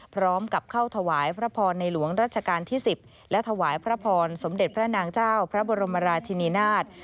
พร้อมกับเข้าถวายพระพรในหลวงรัชกาลที่๑๐และถวายพระพรสมเด็จพระนางเจ้าพระบรมราชินีนาฏ